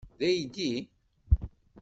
D aydi?